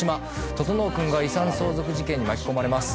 整君が遺産相続事件に巻き込まれます。